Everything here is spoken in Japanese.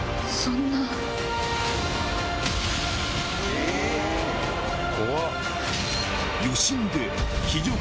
えっ⁉怖っ！